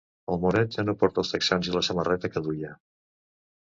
El moret ja no porta els texans i la samarreta que duia.